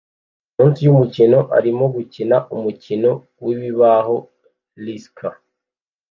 munsi yumukino arimo gukina umukino wibibaho Risk